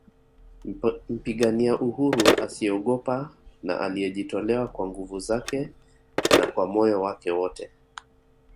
Mpigania uhuru asiyeogopa na aliyejitolea kwa nguvu zake na kwa moyo wake wote